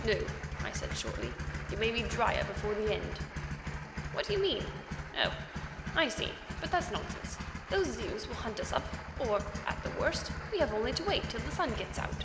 "No," I said shortly; "you may be drier before the end." "What do you mean? Oh! I see; but that's nonsense; those Zeus will hunt us up, or, at the worst, we have only to wait till the sun gets out."